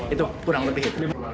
itu kurang lebih